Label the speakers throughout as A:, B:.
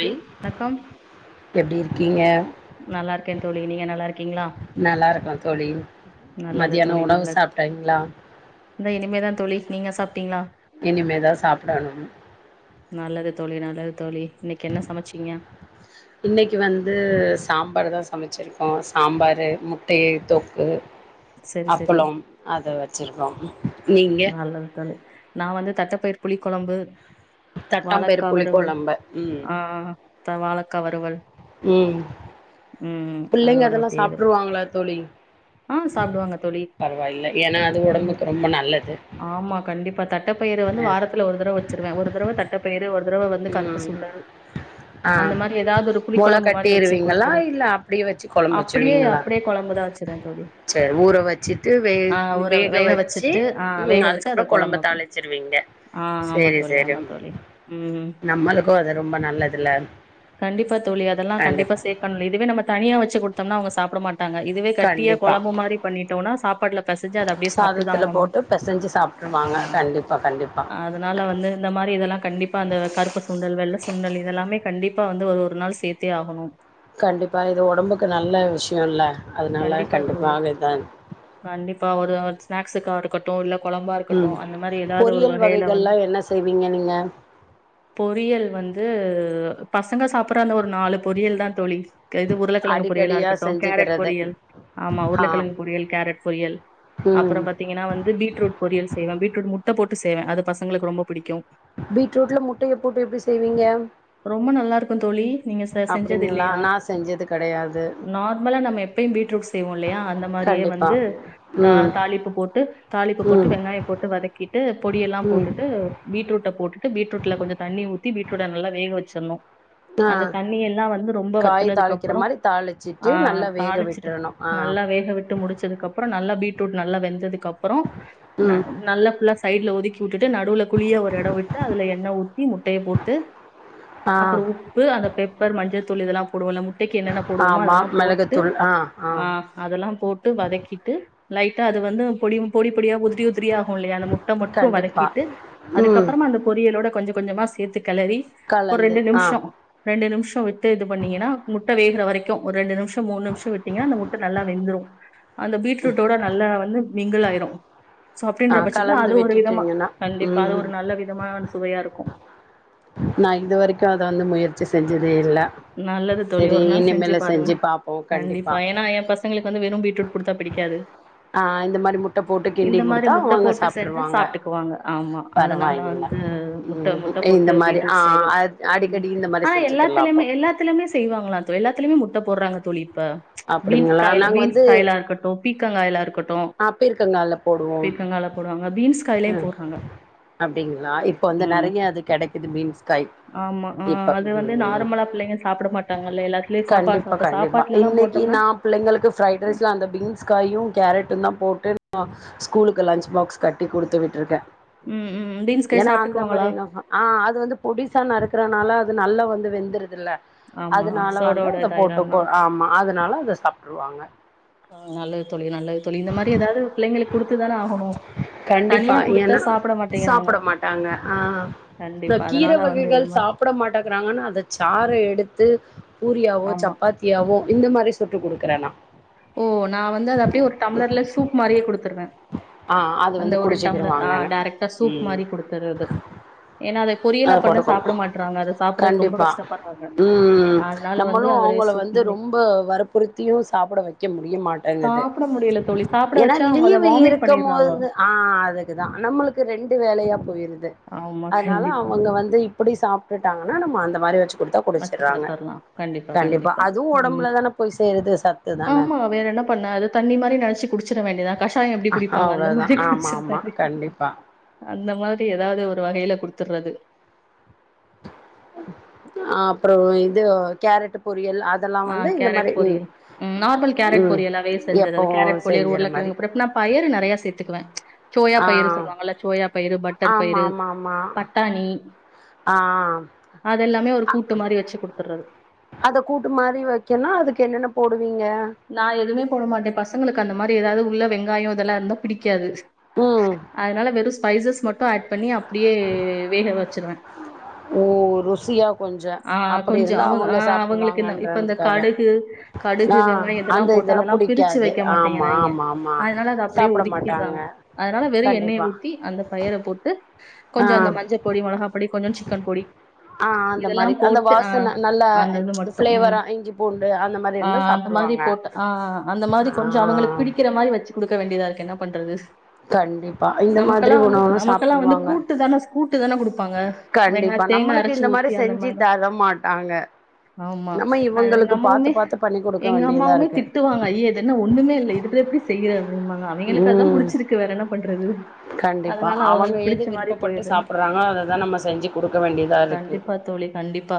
A: தோழி வணக்கம்
B: [inaudible] எப்டி இருக்கீங்க
A: நல்லா இருக்கே தோழி நீங்க நல்லா இருக்கீங்ளா
B: நல்லா இருக்கோ தோழி
A: நல்லது
B: மதியானோ
A: தோழி
B: உணவு
A: நல்லது
B: சாப்ட்டீங்களா
A: இந்த இனிமேதா தோழி நீங்க சாப்டீங்ளா
B: இனிமேதா சாப்டணு
A: நல்லது தோழி நல்லது தோழி என்ன சமச்சீங்க
B: இன்னக்கி வந்து சாம்பாரு தா சமச்சிருக்கோ சாம்பாரு முட்டய தொக்கு
A: சரி சரி
B: அப்பளோ அத வச்சிருக்கோ நீங்க
A: நல்லது தோழி நா வந்து தட்டப்பயிர் புளி கொழம்பு
B: தட்டாம்பயிரு புளிக்கோழம்பு உ
A: தா வாழக்கா வருவல்
B: உ பிள்ளைங்க
A: அதோட
B: அதெல்லா
A: அப்டியே இது
B: சாப்ட்ருவாங்களா தோழி
A: ஆ சாப்டுவாங்க தோழி
B: பரவாயில்ல ஏன்னா அது
A: உ
B: ஒடம்புக்கு ரொம்ப நல்லது
A: ஆமா கண்டிப்பா தட்ட பயிர வந்து
B: அ
A: வாரத்துல ஒரு தரவ வச்சிருவே ஒரு தரவ தட்ட பயர வர் இந்த தடவ வந்து கருப்பு
B: ம்
A: சுண்டல்
B: ஆ
A: அந்த மாரி ஏதாது ஒரு புளி
B: மொள
A: கொழம்பு மாரி வச்சு
B: கட்டிருவீங்களா
A: குடுத்துரு
B: இல்ல அப்டியே
A: அப்படியே அப்படியே கொழம்புதாவச்சு
B: சேரி ஊற வச்சுட்டு வே
A: ஆ ஊற
B: வேக வச்சு
A: வச்சுட்டு ஆ
B: உ
A: வேக வச்சு அத
B: அதுக்கப்றோ கொழம்ப
A: குழம்பா பண்
B: தாளிச்சிருவீங்க
A: ஆ ஆமா
B: சேரி
A: தோழி,
B: சேரி
A: ஆமா தோழி. ம்.
B: நம்மளுக்கு அது ரொம்ப நல்லதுல
A: கண்டிப்பா தோழி. அதெல்லாம்
B: கண்டிப்பா
A: சேர்க்கணும். இதுவே நம்ம தனியா வச்சு குடுத்தோம்னா அவங்க சாப்ட மாட் டாங்க இதுவே கட்
B: கண்டிப்பா
A: கொழம்பு மாரி பண்ணிட்டோனா சாப்பாட்ல பெசஞ்சு அது அப்டியே அத சாப்டுதா
B: சாதத்துல
A: ஆகணு
B: போட்டு பெசஞ்சு
A: ஆ
B: சாப்ட்ருவாங்க கண்டிப்பா கண்டிப்பா
A: அதனால வந்து இந்த மாரி இதல்லா கண்டிப்பா அந்த கருப்பு சுண்டல் வெள்ள சுண்டல் இதெல்லாமே கண்டிப்பா வந்து அது ஒரு நாள் சேத்தே ஆகணு
B: கண்டிப்பா இது ஒடம்புக்கு நல்ல விஷ்யோல்ல
A: கண்டிப்பா தோழி கண்டிப்பா ஒரு [unintelligible] ஸ்னாக்ஸுக்கா இருக்கட்டு இல்ல கொழம்பா இருக்கட்டு
B: ம்
A: அந்த மாரி ஏதாது ஒரு
B: பொரியல்
A: வகையில வந்து
B: வகைகள்லா என்ன செய்வீங்க நீங்க
A: பொறியல் வந்து பசங்க சாப்பிட்ற அந்த ஒரு நாலு பொரியல் தா தோழி கது உருளக்கெழங்கு பொரியலா
B: அடிக்கடியா
A: இருக்கட்டு கேரட்
B: செஞ்சுக்கிறது
A: பொரியல் ஆமா
B: ஆ
A: உருளக்கெழங்கு பொறியல் கேரட் பொறியல்
B: ம்
A: அப்பறம் பாத்தீங்கன்னா வந்து பீட்ரூட் பொரியல் செய்வ பீட்ரூட் முட்ட போட்டு செய்வ அது பசங்களுக்கு ரொம்ப பிடிக்கு
B: பீட்ரூட்ல முட்டையப் போட்டு எப்டி செய்வீங்க
A: ரொம்ப நல்லா இருக்கு தோழி நீங்க செ செஞ்சது
B: அப்டிங்களா
A: இல்லையா
B: நா செஞ்சது கெடையாது
A: நார்மலா நம்ம எப்பையும் பீட் செய்வோ இல்லையா அந்த மாரியே
B: கண்டிப்பா
A: வந்து தா
B: ம்
A: தாலிப்பு போட்டு தாலிப்பு போட்டு
B: ம்
A: வெங்காயோ போட்டு வதக்கிட் ட்டு பொடியெல்லாம்
B: ம்
A: போட்டுட்டு பீட்ரூட்ட போட்டுட் டு பீட்ரூட்ல கொஞ்சோ தண்ணி ஊத்தி பீட்ரூட்ட நல்லா வேக வெச்சுரணு
B: ஆ காய்
A: வத்துனதுக்கு
B: தாளிக்கிற
A: அப்புறோ
B: மாரி
A: ஆ
B: தாளுச்சிட்டு நல்லா வேக
A: தாளிச்சுட்டு
B: விட்றனு
A: நல்லா வேக விட்டு முடுச்சதுக்கப்பறோ நல்லா பீ பீட்ரூட் நல்லா வெந்ததுக் கப்புறோ ந
B: ம்
A: நல்லப் பிலஸ் சைடுல ஒதுக்கி உட்டுட்டு நடுவுல குளியா ஒரு எடோ விட்டு அதுல எண்ண ஊத்தி முட்டைய போட்டு
B: ஆ
A: அப்புறோ உப்பு அந்த பெப்பர் மஞ்சள் தூள் இதெல்லா போடுவல்ல முட் முட்டைக்கு என்னென்ன போடுவோமோ
B: ஆமா
A: அதெல்லாம் போட்டு
B: மிளகுத்தூள் ஆ
A: ஆ அதெல்லாம் போட்டு வதக்கிட்டு லைட்டா அது வந்து பொடி பொடி பொடியா உது உதிரி உதிரியாகு இல்லையா அந்த முட்ட மட்டு
B: கண்டிப்பா
A: வதக்கிட்டு
B: ம்
A: அதுக்கப்புறமா அந்த பொரியலோட கொஞ்சோ கொஞ்சமா சேத்துட் கெலறி ஒரு
B: கலந்து
A: ரெண்டு
B: ஆ
A: நிம்ஷோ ரெண்டு நிம்ஷ் சோ விட்டு இது பண்ணீங்கன்னா முட்ட வேகுற வரைக்கு ஒரு ரெண்டு நிம்ஷோ மூணு நிம்ஷோ விட் பத்தீங்கன்னா அந்த முட்ட நல்லா வெந்துரு அந்த பீட்ரூட்டோட நல்லா வந்து மிங்குள் ஆயிர் [unintelligible]
B: ஆ
A: சப்டேன்ற பட்சத்துல
B: கலந்து
A: அது ஒரு விதமா
B: விட்டுட்டீங்கன்னா
A: கண்டிப்பா அது
B: ம்
A: ஒரு நல்ல விதமான சுவையா இருக்கு
B: நா இது வரைக்கு அத வந்து முயற்சி செஞ்சிரு
A: நல்லது தோழி ஒரு நாள் செஞ்சு பாருங்க கண்டிப்பா ஏன்னா என் பசங்களுக்கு வந்து வெரும் பீட்ரூட் குடுத்தா பிடிக்காது
B: ஆ இந்த மாரி முட்ட போட்டு கிண்டி
A: இந்த மாரி
B: குடுத்தா
A: முட்ட
B: அவங்க
A: போட்டு செஞ்சா
B: சாப்டுருவாங்க
A: சாப்ட்டுக்குவாங்க ஆமா அதனால
B: பரவாயில்ல
A: வந்து முட்ட
B: ம்
A: முட்ட
B: இந்த
A: போட்டு
B: மாரி ஆ
A: பீட்ரூட் செய்றது
B: அத் அடிக்கடி இந்த மாரி செஞ்சுக்கிரலா அப்போ
A: எல்லாத்துலமே செய்வாங்களா தோழி எல்லாத்துலையுமே முட்ட போடுறாங்க தோழி இப்ப பீன்ஸ்
B: அப்டிங்களா
A: காய்
B: நாங்க
A: பீன்ஸ்
B: வந்து
A: காய்லா இருக்கட்டு பீக்கங்காய்லா இருக்கட்டு
B: ஆ பீர்க்கங்கால போடுவோ
A: பீக்கங்கால போடுவாங்க பீன்ஸ் காய்லயு
B: ம்
A: போட்றாங்க
B: அப்டிங்களா இப்ப வந்து
A: ம்
B: நெறைய அது கெடைக்குது பீன்ஸ் காய் இப்ப ம் ம்
A: புள்ளைங்க சாப்புட மாட்டாங்கல்ல எல்லாத்லயு சாப்பா சாப்டு சாப்பாட்லல்லா போட்
B: எ‌ன்னா புள்ளங்களுக்கு ஃப்ரைட் ரைஸ்ல அந்த பீன்ஸ் காயு கேரட்டுந்தா போட் டு நா ஸ்கூலுக்கு லன்ச் பாக்ஸ் கட்டி குடுத்து விட்ருக்கே
A: ம் ம் பீன்ஸ் காய்
B: எனா அந்த
A: சாப்ட்டுக்குவாங்களா
B: மாரினொ ஹ ஆ அது வந்து பொடிசா நறுக்குறனால நல்லா வந்து வெந்துருதுல்ல
A: ஆமா
B: அதுனால வந்து
A: சோடோட
B: அத
A: இதாயிரு
B: போட்டுபொ
A: அதனால
B: ஆமா அது னால அத சாப்ட்ருவாங்க
A: ம் நல்லது தோழி நல்லது தோழி இந்த மாரி எதாது பிள்ளைங்களுக் குடுத்துதானெ ஆகணு
B: கண்டிப்பா
A: தனியா குடுத்தா
B: ஏன்னா
A: சாப்பேட மாட்டெங்கிறாங்க
B: சாப்ட மாட்டாங்க ஆ இந்த
A: கண்டிப்பா
B: கீர
A: அதனால வந்து
B: வகைகள்
A: இந்த மாரி
B: சாப்ட து பூரியாவோ
A: ஆமா
B: சப்பாத்தியாவோ இந்த மாரி சுட்டு குடுக்குறே நா
A: ஓ நா வந்து அத அப்டியே ஒரு டம்ளர்ல சூப் மாரியே குடுத்துருவே
B: ஆ அது
A: அந்த
B: வந்து
A: ஒரு டம்ளர் ஆ
B: குடிச்சுக்கிருவாங்கன்னு
A: டேரெக்டா சூப்
B: ம்
A: மாரி குடுத்தர்றது ஏனா அத பொரியலா பண்ண சாப்டமாட்றாங்க அத சாப்றதுக்கு ரொம்ப
B: கண்டிப்பா
A: கஷ்டப்பர்றாங்க அதனால வந்து அதுலயே சூப் மாரி
B: ம்ப வற்புறுத்தியு சாப்புட வைக்க முடிய மாட்டேங்குது
A: சாப்பிட முடியல தோழி சாப்பிட
B: ஏனா
A: வச்சா அவங்க அத
B: லீவு
A: வாமிட்
B: இருக்கம்
A: பண்ணிடுறாங்க
B: து ஆ அதுக்குதா நம்மளுக்கு ரெண்டு வேலயா பொயிரு து
A: ஆமா
B: அதனால
A: கண்டிப்பா
B: அவங்க வந்து இப்பிடி சாப்டு டாங்கனா நம்ம அந்த மாரி வச்சு குடுத்தா
A: வச்சு
B: குடிச்சிடுறாங்க
A: குடுத்தர்லா கண்டிப்பா கண்டிப்பா
B: அதுவும்
A: ம்
B: ஒடம்புல தான போய் சேருது சத்து தான
A: ஆமா வேற என்ன பண்ண அது தண்ணி மாரி நெனச்சு குடுச்சுற வேண்டியதா அ க சாயொ எப்டி குடிப்பாங்க அந்த
B: அவ்ளோதா
A: மாரி
B: ஆமா
A: குடுச்சிர
B: ஆமா
A: வேண்டியதா
B: கண்டிப்பா
A: அந்த மாரி எதாவ்து ஒரு வகைல குடுத்துர்றது
B: அ அப்ற இது கேரட்டு பொ
A: ஆ கேரட் பொரியல் ம் நார்மல் கேரட்
B: ம்
A: பொரியலாவே செஞ்சுறது
B: எப்பவும்
A: கேரட் பொரியல்
B: செஞ்சுற மாரி
A: உருளக்கெழங்குப்றப் நா பயறு நெறைய சேத் துக்குவே சோயா
B: ஆ
A: பயிறு சொல்வாங்கல சோயா பயிறு பட்டர்
B: ஆமா
A: பயிறு
B: ஆமா ஆமா
A: பட்டாணி
B: ஆ
A: அதெல்லாமே ஒரு கூட்டு மாரி வச்சு குடுத்துர்றது
B: ரி வக்கன்னா அதுக்கு என்னன போடு
A: நா எதுமே போட மாட்டே பசங்களுக் கந்தமாரி எதாது உள்ள வெங்காயொ இதெல்லா இருந்தா பிடிக்காது
B: ம்
A: அதுனால வெறு ஸ் பைசஸ் மட்டு ஆட் பண்ணி அப்டியே வேக வச்
B: ஓ ருசியா கொஞ்சொ
A: ஆ
B: அப்படி
A: கொஞ்சோ
B: இருந்தா அவங்க
A: ஆ அவங்களுக்கு
B: சாப்ட்ருவாங்கன்றதுக்காக நா
A: வெங்காயதெல்லா போட்டு அதெல்லா பிரிச்சு வைக்க
B: ஆமா
A: மாட்டேங்கிறாய்ங்க
B: ஆமா ஆமா
A: அதனால அத அப்டியே
B: சாப்ட மாட்டாங்க
A: ஒதுக்கிற்றாங்க அதனால வெறு எண்ணெய
B: கண்டிப்பா
A: ஊத்தி அந்த பயிர போட்டு
B: ஆ
A: கொஞ்சம் அந்த மஞ்சள் பொடி, மொளகாப் பொடி, கொஞ்சம் சிக்கன் பொடி
B: ஆ அந்த மாரி
A: இதெல்லாம்
B: அந்த
A: போட்டு ஆ
B: வாசன நல்ல
A: அந்த இது மட்டும்.
B: பிளேவரா இஞ்சி பூண்டு அந்த மாரி இருந்தா சாப்ட்
A: ந்த மாரி போட் ஆ அந்த மாரி கொஞ்சொ அவங்களுக்கு பிடிக்கிற மாரி வச்சுக் குடு குடுக்க வேண்டியதா இருக்கு என்ன பண்றது
B: கண்டிப்பா இந்த மாதிரி
A: நமக்கெல்லாம் வந்து
B: உணவுலா
A: நமக்கெல்லாம் வந்து
B: சாப்ட்ருவாங்க
A: கூட்டு தான கூட்டு தான குடுப்பாங்க. வெங்காய
B: கண்டிப்பா
A: தேங்கா
B: நம்மளுக்கு
A: அரைச்சு
B: இந்த மாரி
A: ஊத்தி அந்த
B: செஞ்சு
A: மாரி.
B: தர மாட்டாங்க
A: ஆமா.
B: நம்ம
A: அ எங்க
B: இவங்களுக்கு
A: அம்மாவுமே
B: பாத்துப் பாத்து பண்ணி குடுக்
A: எங்க அம்மாவுமே திட்டுவங்க ஐய இதென்ன ஒன்னுமே இல்ல இதுல எப்படி செய்ய உண்மதா அவிங்களுக்கு எனக்கு அதுதா
B: ம்
A: புடிச்சிருக்கு வேற என்ன பண்றது
B: கண்டிப்பா
A: அதனால
B: அவங்க
A: அவங்களுக்கு
B: எது
A: பிடிச்ச மாரி
B: விருப்பப்பட்டு
A: போயிற
B: சாப்புட்றாங்களோ அததா நம்ம செஞ்சு குடுக்க வேண்டியதா இருக்கு
A: கண்டிப்பா தோலி கண்டிப்பா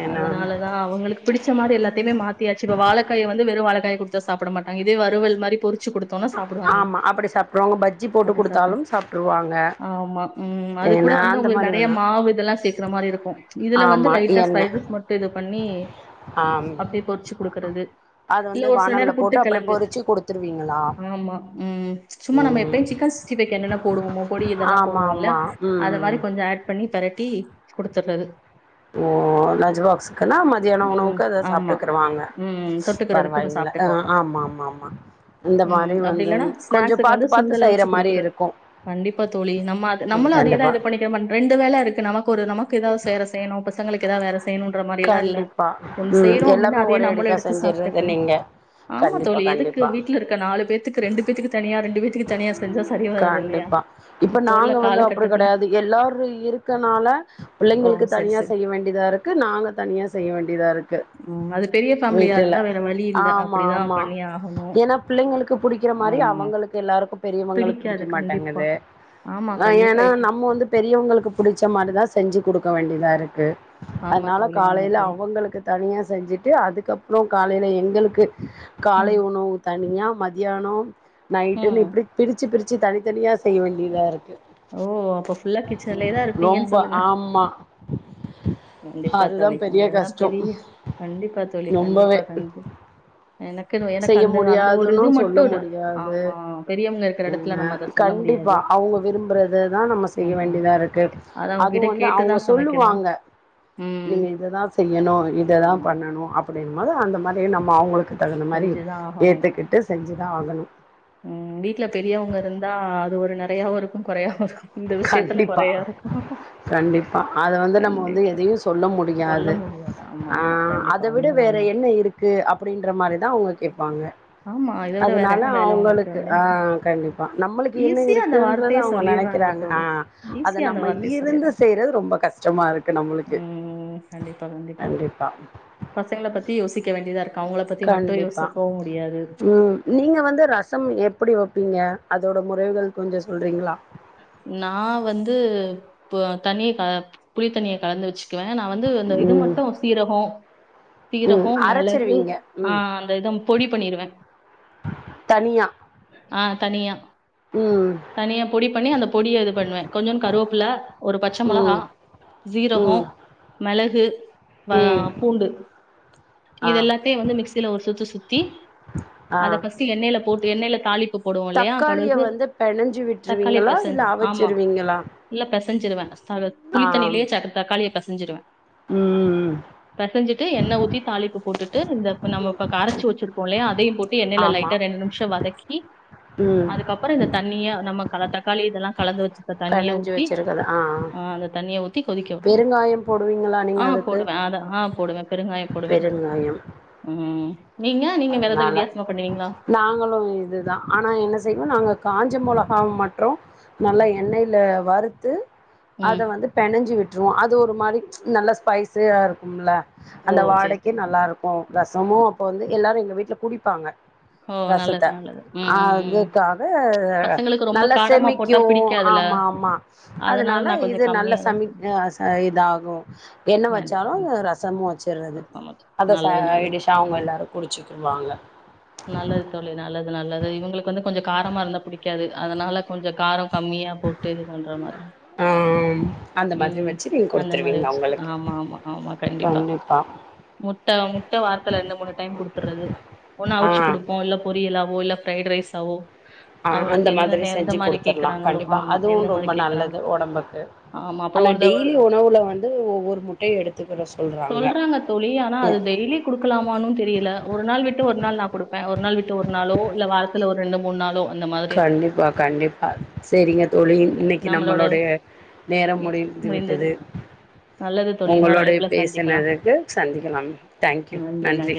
B: ஏன்னா
A: அதனாலதா அவங்களுக்கு பிடிச்ச மாரி எல்லாத்தையுமே மாத்தியாச் இப்ப வாழகாய வந்து வெரு வாழகாய குடுத்தா சாப்ட மாட்டங்க இதே வறுவல் மாரி பொறுச் ச்சி குடுத்தோனா சாப்டுவாய்ங்க
B: ஆமா அப்டி சாப்ட்ருவாங்க பஜ்ஜி போட்டு
A: அப்றொ சாப்பற்றே
B: குடுத்தாலும் சாப்ட்ருவாங்க
A: ஆமா ம் அது கூட
B: ஏன்னா
A: வந்து
B: அந்த
A: ஒங்களுக்கு
B: மாரி
A: நறைய
B: வேணா
A: மாவு இதெல்லா சேக்குற மாரி இருக்கு இதுல வந்து
B: ஆமா
A: லைட்டா
B: எண்ணெ
A: ஸ்பைஸஸ் மட்டு இது பண் நீ
B: ஆம்
A: க்குறது
B: அது
A: இல்ல
B: வந்து
A: ஒரு சில நேரோ
B: வானல்ல
A: புட்டு
B: போட்டு அப்டியே
A: கெழங்கு
B: பொறிச்சு குடுத்துருவீங்களா
A: ஆமா ம் சும்மா நம்ம
B: ம்
A: எப்பயு சிக்கன் சிக்ஸ்ட்டி பைஃக்கு என்னென்ன போடுவோமோ பொடி இதெல்லா
B: ஆமா
A: போடுவோல்ல
B: ஆமா
A: அத மாரி
B: ம்
A: கொஞ்சொ ஆட் பண்ணி ணிப் பெரட்டி குடுத்துற்றது
B: ஓ லஞ்ச் பாக்ஸுகுன்னா மதியான
A: ம்.
B: உணவுக்கு அத
A: ஆமா.
B: சாப்டுக்குறுவா
A: ம் தொட்டுக்கிறதுக்கு இத சாப்ட்டுக்குவாங்க
B: ஆமா ஆமா ஆமா இந்த
A: ம்
B: மாரி
A: ம் அப்டி
B: வந்து
A: இல்லன்னா
B: கொஞ்ச
A: ஸ்நாக்ஸுக்கு வந்து
B: பாத்து பாத்து
A: சுண்டல வச்சு
B: செய்ற மாரி
A: குடுக்குறது
B: இருக்கு
A: கண்டிப்பா தோலி நம்ம அது
B: ம்
A: நம்மளு அதயே தா
B: கண்டிப்பா
A: இது பண்ணிட்டு பட் ரெண்டு வேல இருக்கு நமக்கு ஒரு நமக்கு ஏதாவது செய்ற செய்யணு இப்ப ஸ் பசங்களுக்கு எதா வேற ச செய்யணுன்ற மாரியெல்லா இல்ல
B: கண்டிப்பா
A: ஒன்னு
B: ம்
A: செய்யறோ அப்டின்னா
B: எல்லாமே
A: அத் தையே நம்மலு
B: ஒரேடிக்கா
A: எடுத்து
B: செஞ்சிர்றது
A: சாப்டுக்கலா
B: நீங்க
A: ஆமா
B: கண்டிப்பா
A: தோலி எதுக்கு
B: கண்டிப்பா
A: வீட்டலருக்க நாலு பேத்துகு ரெண்டுபேத்துகு தனியா ரெண்டுபேத்துகு தனியா செ
B: கண்டிப்பா இப்ப
A: உள்ள
B: நாங்க வந்து அப்படி
A: காலகட்டத்துல.
B: கெடையாது எல்லாரு இருக்கனால
A: ஓ!
B: பிள்ளைங்களுக்கு
A: சரி,
B: தனியா
A: சரி.
B: செய்ய வேண்டியதா இருக்கு நாங்க தனியா செய்ய வேண்டியதா இருக்கு
A: ம். அது பெரிய ஃபேமிலியா
B: வீட்டுல
A: இருந்தா வேற வழி இல்ல.
B: ஆமா
A: அப்படிதான்
B: ஆமா
A: பண்ணியே ஆகணும்.
B: ஏன்னா பிள்ளைங்களுக்கு புடிக்கிற மாரி
A: ஆமா.
B: அவங்களுக்கு எல்லாருக்கு பெரியவங்களுக் புடிக்க
A: பிடிக்காது. கண்டிப்பா.
B: மாட்டேங்குது
A: ஆமா.
B: ஆ
A: கண்டிப்பா.
B: ஏன்னா
A: இப்ப
B: நம்ம வந்து பெரியவங்களுக்கு புடிச்ச மாரிதா செஞ்சு குடுக்க வேண்டியதா இருக்கு க்கு
A: ஆமா
B: அதனால
A: தோழி, ஆமா
B: காலைல
A: தோழி.
B: அவங்களுக்கு தனியா செஞ்சுட்டு அதுக்கப்றொ காலைல எங்களுக்கு காலை
A: ம்.
B: உணவு தனியா மதியானோ நைட்டுனு
A: ம்.
B: இப்டி பிரிச் பிரிச்சு தனித்தனியா செய்ய வேண்டியதா இருக்கு
A: ஓ அப்ப ஃபுல்லா கிச்சன்லயேதா இருப்பீங்கன்
B: ரொம்ப
A: சொல்லுங்க
B: ஆமா
A: கண்டிப்பா
B: அதுதா
A: தோழி
B: பெரிய
A: அது தா
B: கஷ்டோ
A: பெரிய விஸ் கண்டிப்பா தோழி
B: ரொம்பவே
A: கண்டிப்பா கண்டிப்பா எனக்குன்னு எனக்கு
B: செய்ய
A: அந்த அந்த ஒரு
B: முடியாதுன்னு
A: இது
B: சொல்ல
A: மட்டும் தான்.
B: முடியாது
A: ஆமா. பெரியவங்க இருக்கிற
B: என்ன
A: இடத்துல நம்ம அத சொல்ல முடியாது.
B: கண்டிப்பா அவுங்க விரும்புறதுதா நம்ப செய்ய
A: ஆமா.
B: வேண்டியதா இருக்கு
A: அத
B: அதுவு
A: அவங்ககிட்ட
B: வந்து
A: கேட்டு
B: அவுங்க
A: தான் சமைக்கணும்.
B: சொல்லுவாங்க
A: ம்.
B: நீங்க இததா செய்யணு இததா
A: ஆமா.
B: பண்ணணு அப்டி இதுமலு அந்த மாரி நம்ப அவுங்களுக்கு
A: செஞ்சுதா ஆகணு
B: ஆகணு
A: ம் வீட்ல பெரியவங்க இருந்தா அது ஒரு நெறையா இருக்கு குறையா இருக்கு
B: கண்டிப்பா கண்டிப்பா அத வந்து நம்ம வந்து
A: கண்டிப்பா.
B: எதையு சொல்ல
A: சொல்ல
B: முடியாது
A: முடியாது. ஆமா,
B: ஆ
A: ஆமா. கண்டிப்பா
B: அத விட
A: உண்மதான்.
B: வேற
A: ஆமா.
B: என்ன இருக்கு அப்டின்ற மாரி தா உங்ககி பாங்க
A: ஆமா. இத விட வேற
B: அதனால
A: என்ன வேல உனக்கு?
B: அவங்களுக்கு ஆ
A: அப்டின்னு.
B: கண்டிப்பா நம்மளுக்கு என்ன
A: ஈஸியா அந்த
B: இருக்குன்றது
A: வார்த்தைய
B: அவங்க நினைக்க
A: சொல்லிடுறாங்க
B: கிறாங்க ஆ
A: தோழி
B: அத
A: ஈஸியா அந்த
B: நம்ம
A: வார்த்தைய
B: இருந்து
A: சொல்லிடுறாங்க
B: செய்யறது ரொம்ப கஷ்டமா இருக்கு நம்மளுக்கு
A: ம் கண்டிப்பா
B: கண்டிப்பா
A: பசங்கள பத்தி யோசிக்க வேண்டியதா இருக்கு அவங்கள பத்தி மட்டு
B: கண்டிப்பா
A: யோசிப்போ
B: ம் நீங்க வந்து ரசம் எப்படி வப்பீங்க அதோட முறைகள் கொஞ்ச சொல்கிறீங்களா
A: நா வந்து பு தணி அ புளித்தண்ணியை கலந்து வச்சு க்வே நா வந்து இந்த இது
B: ம்,
A: மட்டு சீரகம் சீரக
B: ம்.
A: மெளகு
B: அரைச்சிருவீங்க.
A: ஆ
B: ம்.
A: அந்த இத பொடி பண்ணிருவே
B: தனியா.
A: அ தனியா
B: ம்
A: டி பண்ணி அந்த பொடிய இது பண்ணுவே கொஞ்சுன் கருவப்புல ஒரு பச்ச மொளகா
B: ம்,
A: சீரக
B: ம்,
A: மெளகு வ
B: ம்.
A: பூண்டு
B: ஆ,
A: இத எல்லாத்தியு வந்து மிக்சியில ஒரு சுத்துசுத்தி
B: ஆ.
A: அத ஃப்ஸ்ட் எண்ணெல போட்டு எண்ணெல தாளிப்பு போடுவோலியா
B: தக்காளிய
A: கடுகு
B: வந்து பெனஞ்சு
A: தக்காளி
B: விட்டுருவீங்களா?
A: பெசஞ்
B: இல்ல
A: ஆமா
B: அவிச்சிருவீங்களா?
A: இல்ல பெசஞ்சிருவே
B: ஆ.
A: புளித்தண்ணியிலயே சக்க தக்கா காளியா பெசஞ்சி்டுவே
B: ம்.
A: பெசஞ்சிட்டு எண்ணெ ஊத்தி தாலிப்பு போட்டுட்டு இந்த நம்ம கரைச்சி வச்சிருக்கோல்லயா அதையு போட் டு எண்ணெய
B: ஆமா.
A: லைட்டா ரெண்டு நிமிஷ வதக்கி
B: ம்.
A: அதுக்கப்ற இந்த தண்ணிய நமக் கலத்தக்காளி இதல்லா கலந்து வச்ச ந்த தண்ணிய ஊத்தி ஆ அந்த தண்ணிய ஊத்தி கொதிக்க விடணும்
B: பெருங்காயம் போடுவீங்களா நீங்க
A: ஆ
B: அதுக்கு?
A: போடுவே அத ஆ போடுவே பெருங்காயம் போடுவே
B: பெருங்காயம்.
A: ம் நீங்க நீங்க வேற எதாவது
B: அதனால
A: வித்தியாசமா பண்ணுவீங்களா
B: நாங்களு இதுதா ஆனா ஆன செய்வோ நாங்க காஞ்சம்முலக அ மற்றும் நல்லா எண்ணெயில வறுத்து
A: ம்
B: அத வந்து பெனஞ்சு விட் ருவோ அது ஒரு மாரி நல்ல ஸ்பைஸியா இருக்கும்ல
A: ஓ
B: அந்த
A: சரி
B: வாடைக்கு
A: சரி
B: நல்லா இருக்கு ரசமு அப்போ வந்து எல்லாரு எங்க வீட்ல குடிப்பாங்க
A: ஓ
B: ரசத்த
A: நல்லது நல்லது ம் ம் ம்
B: அதுக்காக
A: பசங்களுக்கு ரொம்ப
B: நல்லா
A: காரமா போட்டா
B: செமிக்கு
A: பிடிக்காதுல
B: ஆமா ஆமா அதனால
A: நான்
B: இது
A: கொஞ்சம்
B: நல்லா
A: கம்மியா தான்
B: சமை
A: செய்வேன்
B: அ ச இதாகு என்ன
A: கண்டிப்பா
B: வச்சாலு ரசமும் வச்சடுறது
A: கண்டிப்பா சமைச்சு
B: அத ச
A: நல்லது நல்லது
B: டிஷா அவங்க எல்லாருக் சக்கிரவாங்க
A: நல்லது தோழி நல்லது நல்லது இவங்களுக்கு வந்து கொஞ்ச காரமா இருந்தா பிடிக்காது அதனால கொஞ்ச காரம் கம்மியா போட்டு இது பண்ற மாரி
B: ஆ அந்த மாதிரி
A: உம்
B: வச்சு நீங்க
A: அந்த
B: குடுத்துருவீங்க
A: மாரிச்சு
B: அவுங்களுக்கு
A: ஆமா ஆமா ஆமா கண்டிப்பா முட்ட முட்ட வார்த்தில ரெண்டு மூணு டைம் கொடுத்துடுறது ஒண்ணா
B: ஆ
A: அவுச்சு கொடுப்போ இல்ல பொரி லாவோ இல்ல ஃப்ரைட் ரைஸ் வொ
B: ஆ அந்த மாதிரி செஞ்சு குடுத்துடலா
A: கேக்குறாங்களோ
B: கண்டிப்பா
A: ஆமா
B: அதுவு
A: எந்த மாதிரி
B: ரொம்ப
A: கேக்குறாங்க
B: நல்லது உடம்புக்கு
A: ஆமா
B: ஆனா
A: அப்புறம் ஒரு தடவை
B: டெய்லி உணவுல வந்து ஒவ்வொரு முட்டையு எடுத்துக்கற சொல்றாங்க
A: தோழி. ஆனா அது
B: உம்
A: டு ஒரு நாள் நா கொடுப்பே ஒரு நாள் விட்டு ஒரு நாளோ இல்ல வாரத்துல ஒரு ரெண்டு மூணு நாளோ அந்த மாதிரி இருக்கும்.
B: கண்டிப்பா கண்டிப்பா சேரிங்க தோழி இன்னைக்கு
A: நம்மளோட
B: நம்மளுடைய நேரம் முடிஞ்சு
A: முடிந்தது.
B: விட்டது
A: நல்லது தோழி. இன்னொரு
B: உங்களளுடைய
A: அழைப்புல சந்திக்கலாம்.
B: பேசனதுக்கு சந்திக்கலாம் தேங்க்யூ நன்றி